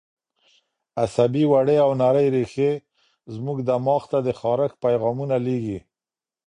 عصبي وړې او نرۍ رېښې زموږ دماغ ته د خارښ پیغامونه لېږي.